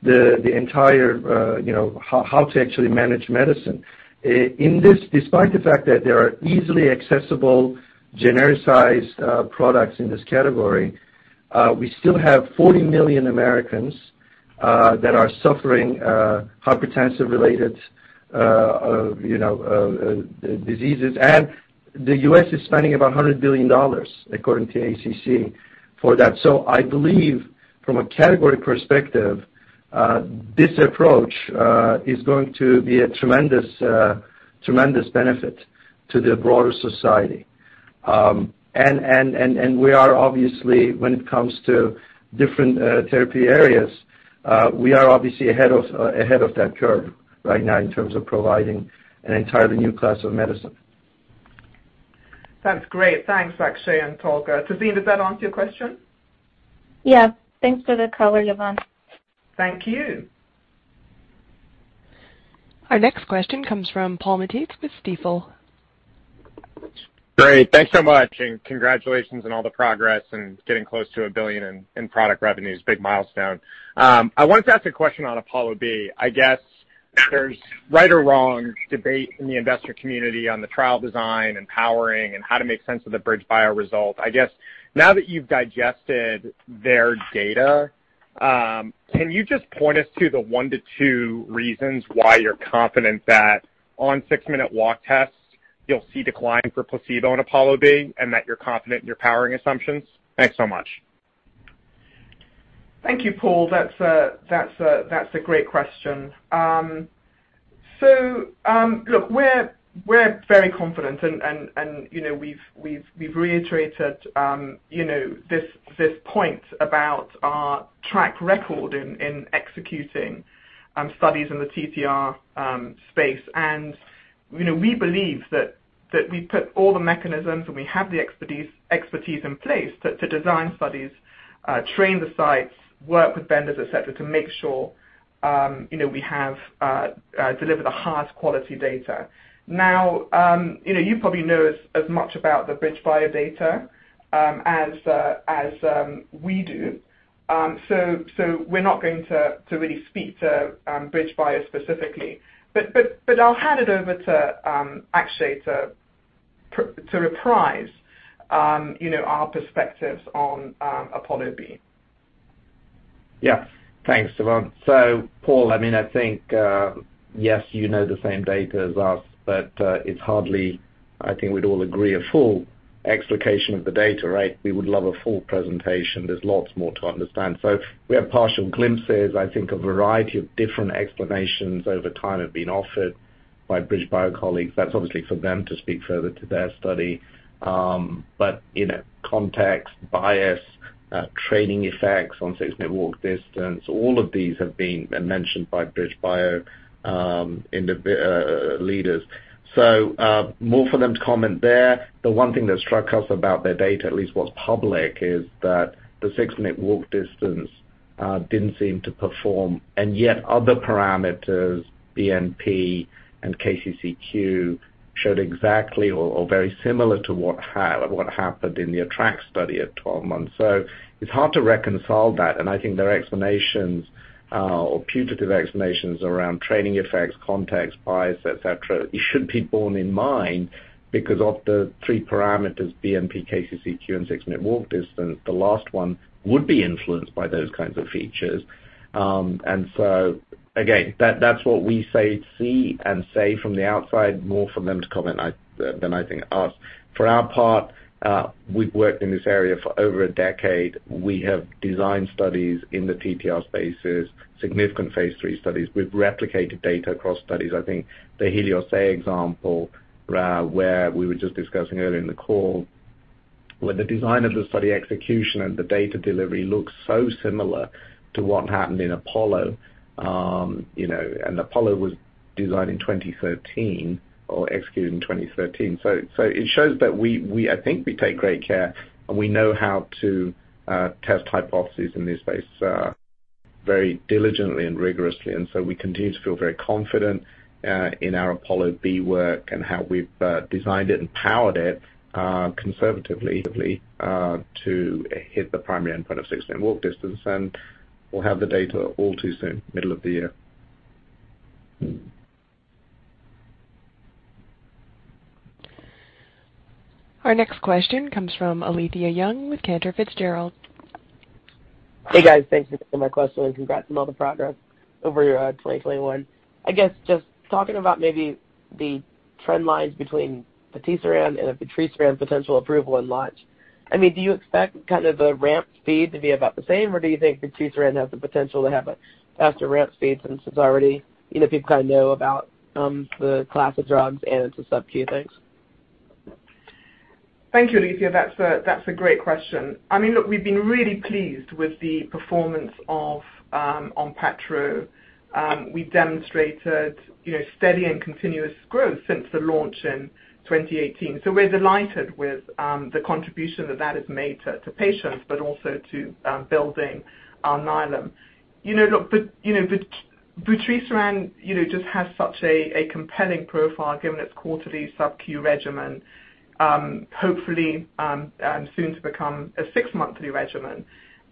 the entire, you know, how to actually manage medicine. In this despite the fact that there are easily accessible genericized products in this category, we still have 40 million Americans that are suffering hypertensive related, you know, diseases. The US is spending about $100 billion according to ACC for that. I believe from a category perspective, this approach is going to be a tremendous benefit to the broader society. We are obviously, when it comes to different therapy areas, we are obviously ahead of that curve right now in terms of providing an entirely new class of medicine. That's great. Thanks, Akshay and Tolga. Tazeen, does that answer your question? Yeah. Thanks for the color, Yvonne. Thank you. Our next question comes from Paul Matteis with Stifel. Great. Thanks so much, and congratulations on all the progress and getting close to $1 billion in product revenues. Big milestone. I wanted to ask a question on APOLLO-B. I guess there's right or wrong debate in the investor community on the trial design and powering and how to make sense of the BridgeBio result. I guess now that you've digested their data, can you just point us to the one to two reasons why you're confident that on six-minute walk tests you'll see decline for placebo in APOLLO-B and that you're confident in your powering assumptions? Thanks so much. Thank you, Paul. That's a great question. So look, we're very confident and you know, we've reiterated this point about our track record in executing studies in the ATTR space. You know, we believe that we put all the mechanisms and we have the expertise in place to design studies, train the sites, work with vendors, et cetera, to make sure you know, we have delivered the highest quality data. Now, you know, you probably know as much about the BridgeBio data as we do. So we're not going to really speak to BridgeBio specifically. I'll hand it over to Akshay to reprise, you know, our perspectives on APOLLO-B. Yeah. Thanks, Yvonne. Paul, I mean, I think, yes, you know the same data as us, but, it's hardly I think we'd all agree a full explication of the data, right? We would love a full presentation. There's lots more to understand. We have partial glimpses. I think a variety of different explanations over time have been offered by BridgeBio colleagues. That's obviously for them to speak further to their study. But you know, context, bias, training effects on six-minute walk distance, all of these have been mentioned by BridgeBio in the literature. More for them to comment there. The one thing that struck us about their data, at least what's public, is that the six-minute walk distance didn't seem to perform, and yet other parameters, BNP and KCCQ, showed exactly or very similar to what happened in the ATTR-ACT study at 12 months. It's hard to reconcile that, and I think their explanations or putative explanations around training effects, context, bias, et cetera, should be borne in mind because of the three parameters, BNP, KCCQ, and six-minute walk distance, the last one would be influenced by those kinds of features. Again, that's what we see and say from the outside, more from them to comment than I think us. For our part, we've worked in this area for over a decade. We have designed studies in the TTR space, significant phase III studies. We've replicated data across studies. I think the HELIOS-A example, where we were just discussing earlier in the call, where the design of the study execution and the data delivery looks so similar to what happened in APOLLO, you know, and APOLLO was designed in 2013 or executed in 2013. It shows that I think we take great care, and we know how to test hypotheses in this space very diligently and rigorously. We continue to feel very confident in our APOLLO-B work and how we've designed it and powered it conservatively to hit the primary endpoint of six-minute walk distance. We'll have the data all too soon, middle of the year. Our next question comes from Alethia Young with Cantor Fitzgerald. Hey, guys. Thanks for taking my question, and congrats on all the progress over your 2021. I guess just talking about maybe the trend lines between patisiran and the vutrisiran potential approval and launch. I mean, do you expect kind of the ramp speed to be about the same, or do you think vutrisiran has the potential to have a faster ramp speed since it's already, you know, people kind of know about the class of drugs and it's a sub-Q? Thanks. Thank you, Alethia. That's a great question. I mean, look, we've been really pleased with the performance of ONPATTRO. We demonstrated, you know, steady and continuous growth since the launch in 2018. We're delighted with the contribution that that has made to patients, but also to building Alnylam. You know, look, but vutrisiran just has such a compelling profile given its quarterly sub-Q regimen, hopefully soon to become a six-monthly regimen.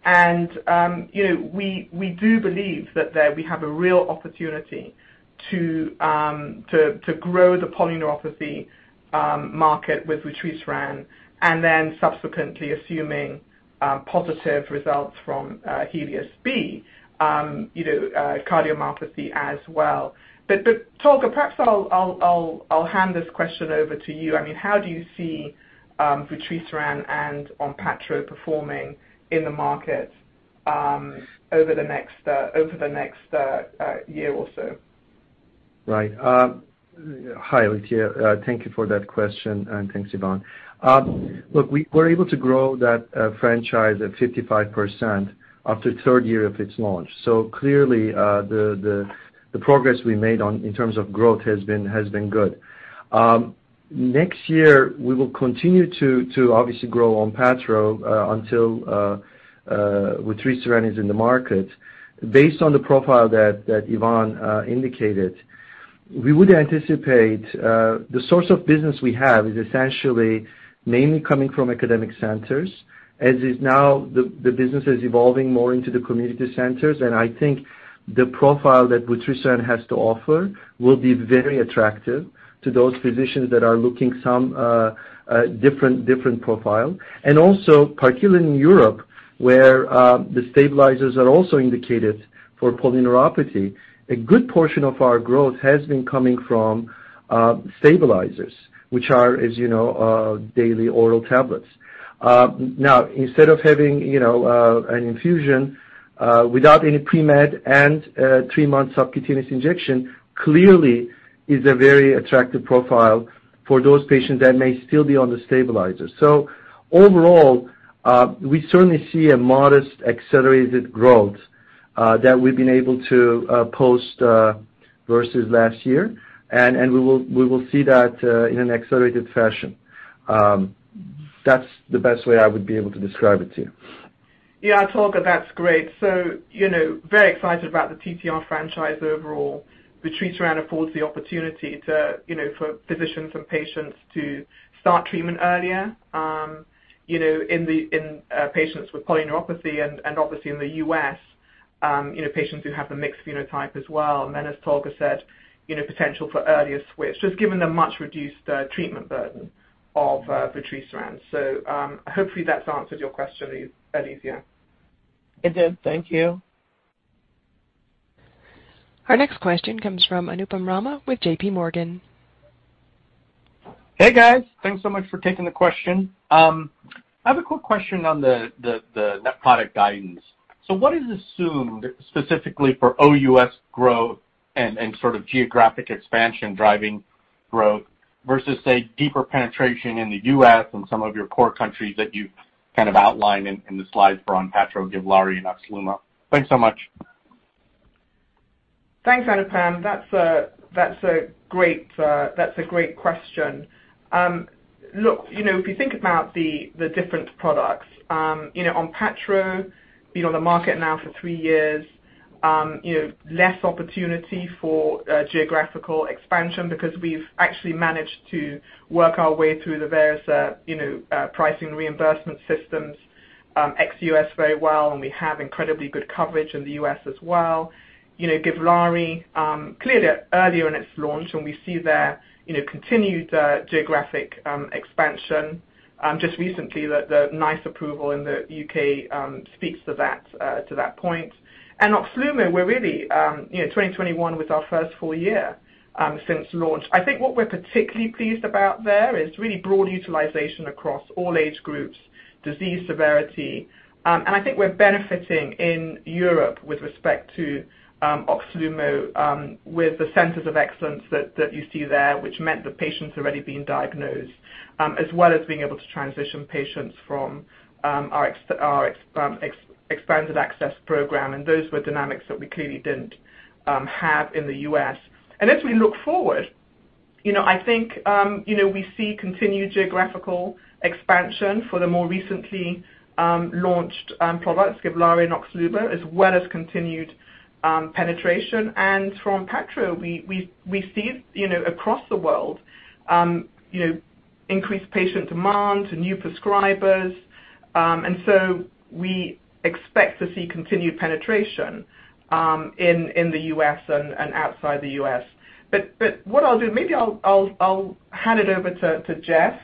You know, we do believe that we have a real opportunity to grow the polyneuropathy market with vutrisiran, and then subsequently assuming positive results from HELIOS-B, cardiomyopathy as well. Tolga, perhaps I'll hand this question over to you. I mean, how do you see vutrisiran and ONPATTRO performing in the market over the next year or so? Right. Hi, Alethia. Thank you for that question, and thanks, Yvonne. Look, we're able to grow that franchise at 55% after third year of its launch. Clearly, the progress we made in terms of growth has been good. Next year, we will continue to obviously grow ONPATTRO until vutrisiran is in the market. Based on the profile that Yvonne indicated, we would anticipate the source of business we have is essentially mainly coming from academic centers. As is now, the business is evolving more into the community centers, and I think the profile that vutrisiran has to offer will be very attractive to those physicians that are looking some different profile. Also, particularly in Europe, where the stabilizers are also indicated for polyneuropathy, a good portion of our growth has been coming from stabilizers, which are, as you know, daily oral tablets. Now instead of having, you know, an infusion without any pre-med and three-month subcutaneous injection, clearly is a very attractive profile for those patients that may still be on the stabilizer. Overall, we certainly see a modest accelerated growth. That we've been able to post versus last year, and we will see that in an accelerated fashion. That's the best way I would be able to describe it to you. Yeah, Tolga, that's great. You know, very excited about the TTR franchise overall. Vutrisiran affords the opportunity to, you know, for physicians and patients to start treatment earlier, you know, in patients with polyneuropathy and obviously in the U.S., you know, patients who have the mixed phenotype as well. Then as Tolga said, you know, potential for earlier switch, just given the much reduced treatment burden of vutrisiran. Hopefully that's answered your question, Alethia. It did. Thank you. Our next question comes from Anupam Rama with JPMorgan. Hey, guys. Thanks so much for taking the question. I have a quick question on the net product guidance. What is assumed specifically for OUS growth and sort of geographic expansion driving growth versus, say, deeper penetration in the U.S. and some of your core countries that you've kind of outlined in the slides for ONPATTRO, GIVLAARI, and OXLUMO? Thanks so much. Thanks, Anupam. That's a great question. Look, you know, if you think about the different products, you know, ONPATTRO been on the market now for three years, you know, less opportunity for geographic expansion because we've actually managed to work our way through the various pricing reimbursement systems ex-U.S. very well, and we have incredibly good coverage in the U.S. as well. You know, GIVLAARI clearly earlier in its launch, and we see the you know, continued geographic expansion just recently the NICE approval in the U.K. speaks to that point. OXLUMO, we're really you know, 2021 was our first full year since launch. I think what we're particularly pleased about there is really broad utilization across all age groups, disease severity. I think we're benefiting in Europe with respect to OXLUMO with the centers of excellence that you see there, which meant the patients have already been diagnosed as well as being able to transition patients from our expanded access program. Those were dynamics that we clearly didn't have in the U.S. As we look forward, you know, I think, you know, we see continued geographical expansion for the more recently launched products, GIVLAARI and OXLUMO, as well as continued penetration. For ONPATTRO, we see, you know, across the world, you know, increased patient demand to new prescribers. We expect to see continued penetration in the U.S. and outside the U.S. What I'll do, maybe I'll hand it over to Jeff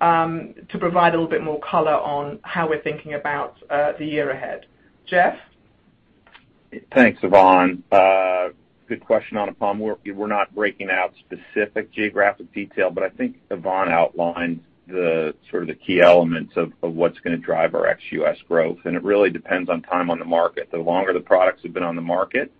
to provide a little bit more color on how we're thinking about the year ahead. Jeff? Thanks, Yvonne. Good question, Anupam. We're not breaking out specific geographic detail, but I think Yvonne outlined the sort of the key elements of what's gonna drive our ex-U.S. growth, and it really depends on time on the market. The longer the products have been on the market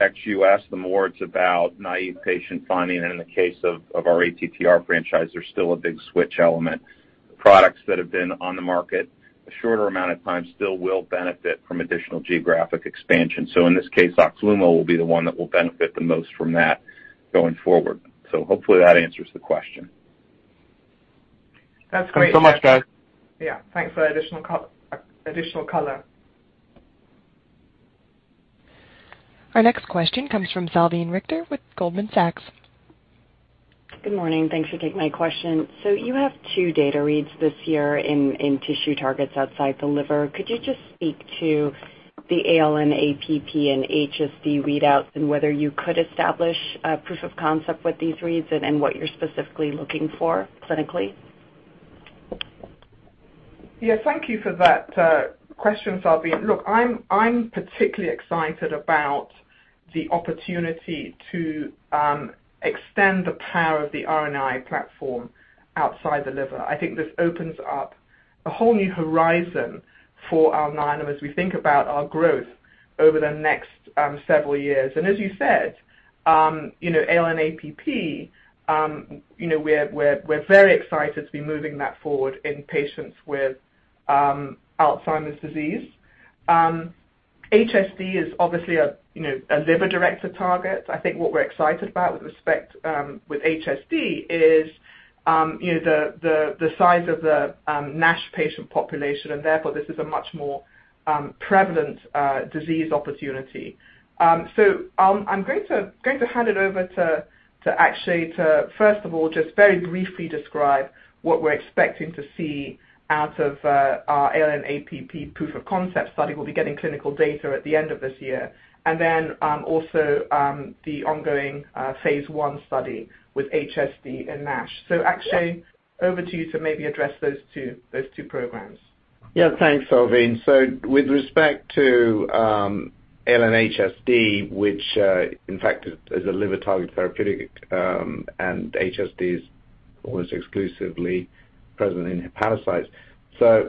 ex-U.S., the more it's about naive patient finding. In the case of our ATTR franchise, there's still a big switch element. The products that have been on the market a shorter amount of time still will benefit from additional geographic expansion. In this case, OXLUMO will be the one that will benefit the most from that going forward. Hopefully that answers the question. That's great, Jeff. Thanks so much, guys. Yeah, thanks for the additional color. Our next question comes from Salveen Richter with Goldman Sachs. Good morning. Thanks for taking my question. You have two data reads this year in tissue targets outside the liver. Could you just speak to the ALN-APP and ALN-HSD readouts and whether you could establish a proof of concept with these reads and what you're specifically looking for clinically? Yeah. Thank you for that question, Salveen. Look, I'm particularly excited about the opportunity to extend the power of the RNAi platform outside the liver. I think this opens up a whole new horizon for Alnylam as we think about our growth over the next several years. As you said, you know, ALN-APP, you know, we're very excited to be moving that forward in patients with Alzheimer's disease. HSD is obviously a liver-directed target. I think what we're excited about with respect with HSD is you know, the size of the NASH patient population, and therefore this is a much more prevalent disease opportunity. I'm going to hand it over to Akshay to first of all, just very briefly describe what we're expecting to see out of our ALN-APP proof of concept study. We'll be getting clinical data at the end of this year. Also, the ongoing phase I study with HSD and NASH. Akshay, over to you to maybe address those two programs. Yeah. Thanks, Salveen. With respect to ALN-HSD, which, in fact, is a liver-targeted therapeutic, and HSD is almost exclusively present in hepatocytes.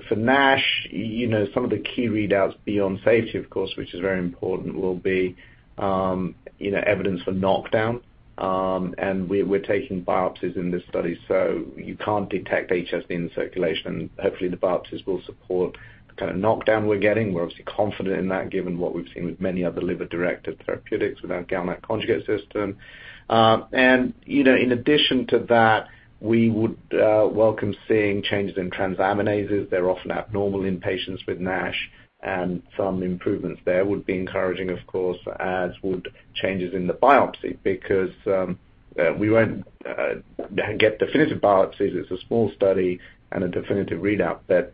For NASH, you know, some of the key readouts beyond safety, of course, which is very important, will be, you know, evidence for knockdown. We're taking biopsies in this study, you can't detect HSD in the circulation. Hopefully, the biopsies will support the kind of knockdown we're getting. We're obviously confident in that given what we've seen with many other liver-directed therapeutics with our GalNAc conjugate system. You know, in addition to that, we would welcome seeing changes in transaminases. They're often abnormal in patients with NASH, and some improvements there would be encouraging, of course, as would changes in the biopsy. Because we won't get definitive biopsies. It's a small study and a definitive readout, but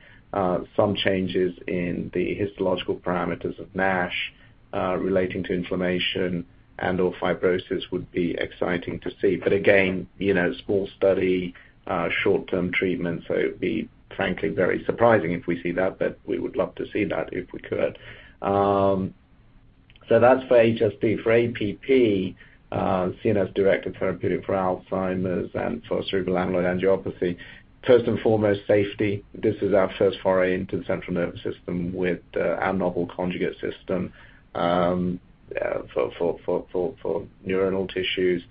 some changes in the histological parameters of NASH, relating to inflammation and/or fibrosis would be exciting to see. Again, you know, small study, short-term treatment, so it'd be frankly very surprising if we see that, but we would love to see that if we could. That's for HSD. For APP, CNS-directed therapeutic for Alzheimer's and for cerebral amyloid angiopathy, first and foremost, safety. This is our first foray into the central nervous system with our novel conjugate system for neuronal tissues.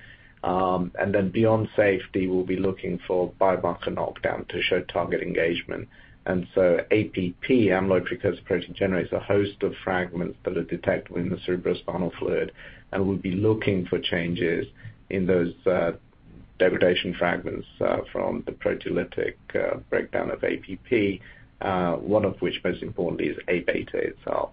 Beyond safety, we'll be looking for biomarker knockdown to show target engagement. APP, amyloid precursor protein, generates a host of fragments that are detected in the cerebrospinal fluid, and we'll be looking for changes in those degradation fragments from the proteolytic breakdown of APP, one of which, most importantly, is A-beta itself.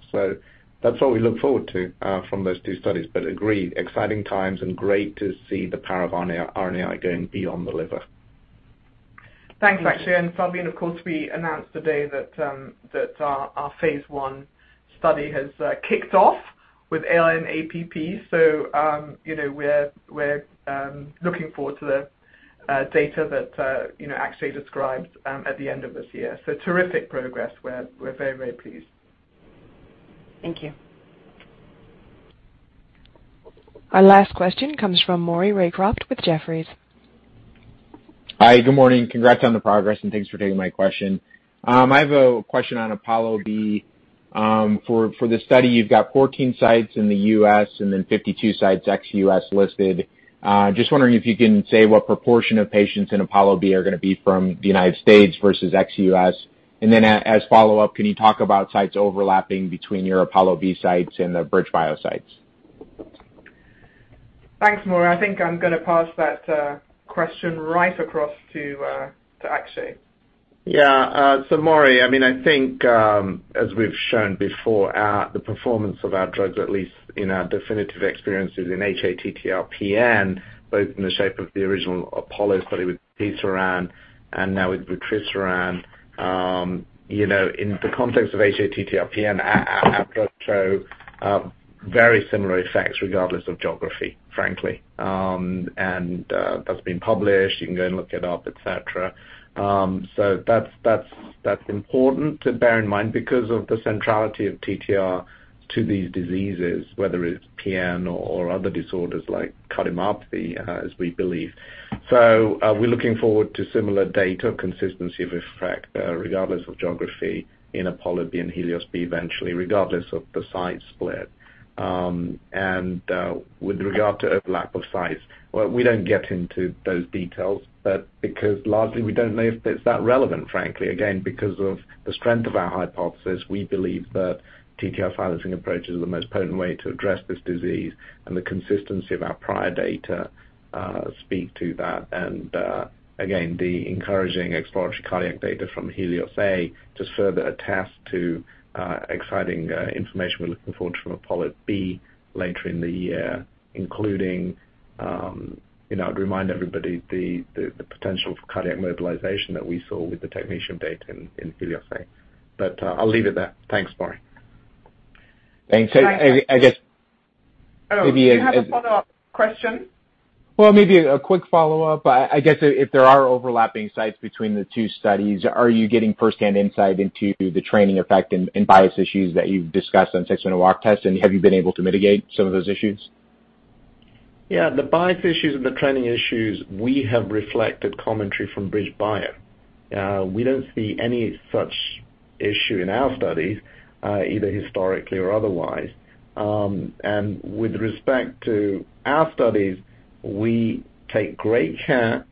That's what we look forward to from those two studies. Agreed, exciting times and great to see the power of RNAi going beyond the liver. Thanks, Akshay. Salveen, of course, we announced today that our phase I study has kicked off with ALN-APP. You know, we're looking forward to the data that you know Akshay described at the end of this year. Terrific progress. We're very pleased. Thank you. Our last question comes from Maury Raycroft with Jefferies. Hi, good morning. Congrats on the progress, and thanks for taking my question. I have a question on APOLLO-B. For the study, you've got 14 sites in the U.S. and then 52 sites ex-U.S. listed. Just wondering if you can say what proportion of patients in APOLLO-B are gonna be from the United States versus ex-U.S. Then as follow-up, can you talk about sites overlapping between your APOLLO-B sites and the BridgeBio sites? Thanks, Maury. I think I'm gonna pass that question right across to Akshay. Yeah. Maury, I mean, I think, as we've shown before, the performance of our drugs, at least in our definitive experiences in hATTR-PN, both in the shape of the original APOLLO study with patisiran and now with vutrisiran, you know, in the context of hATTR-PN, our drugs show very similar effects regardless of geography, frankly. That's been published. You can go and look it up, et cetera. That's important to bear in mind because of the centrality of TTR to these diseases, whether it's PN or other disorders like cardiomyopathy, as we believe. We're looking forward to similar data consistency of effect, regardless of geography in APOLLO-B and HELIOS-B eventually, regardless of the site split. With regard to overlap of sites, well, we don't get into those details, but because largely we don't know if it's that relevant, frankly. Again, because of the strength of our hypothesis, we believe that TTR filing approach is the most potent way to address this disease, and the consistency of our prior data speak to that. Again, the encouraging exploratory cardiac data from HELIOS-A just further attests to exciting information we're looking forward to from APOLLO-B later in the year, including, you know, I'd remind everybody the potential for cardiac mobilization that we saw with the technetium data in HELIOS-A. I'll leave it there. Thanks, Maury. Thanks. I guess. Oh, do you have a follow-up question? Well, maybe a quick follow-up. I guess if there are overlapping sites between the two studies, are you getting firsthand insight into the training effect and bias issues that you've discussed on 6-minute walk tests, and have you been able to mitigate some of those issues? Yeah. The bias issues and the training issues, we have reflected commentary from BridgeBio. We don't see any such issue in our studies, either historically or otherwise. With respect to our studies, we take great care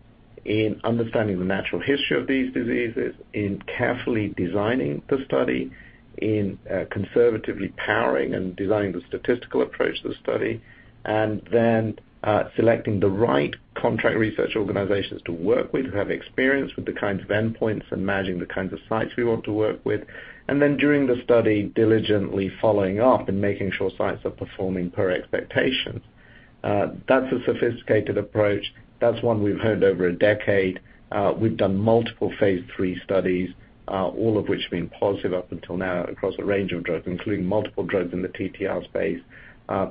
in understanding the natural history of these diseases, in carefully designing the study, in conservatively powering and designing the statistical approach to the study, and then selecting the right contract research organizations to work with, who have experience with the kinds of endpoints and managing the kinds of sites we want to work with. During the study, diligently following up and making sure sites are performing per expectations. That's a sophisticated approach. That's one we've honed over a decade. We've done multiple phase III studies, all of which have been positive up until now across a range of drugs, including multiple drugs in the TTR space.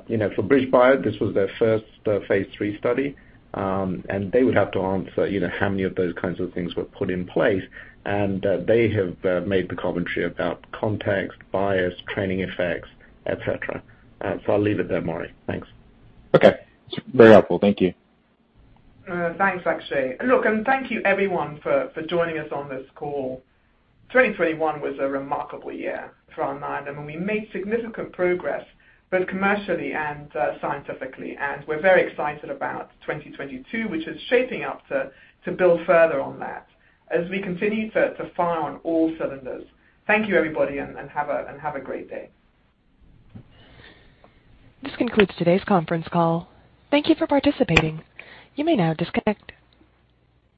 You know, for BridgeBio, this was their first phase III study. They would have to answer, you know, how many of those kinds of things were put in place. They have made the commentary about context, bias, training effects, et cetera. I'll leave it there, Maury. Thanks. Okay. It's very helpful. Thank you. Thanks, Akshay. Look, thank you everyone for joining us on this call. 2021 was a remarkable year for Alnylam, and we made significant progress both commercially and scientifically. We're very excited about 2022, which is shaping up to build further on that as we continue to fire on all cylinders. Thank you, everybody, and have a great day. This concludes today's conference call. Thank you for participating. You may now disconnect.